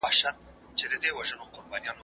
زه هره ورځ د ښوونځی لپاره تياری کوم،